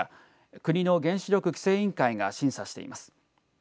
国の原子力規制委員会が審査しています。